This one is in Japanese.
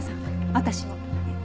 私も。